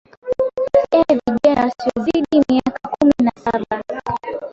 ee vijana wasiozidi miaka kumi na saba